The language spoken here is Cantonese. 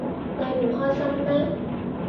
你唔開心咩？